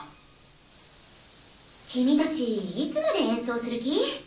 君たちいつまで演奏する気？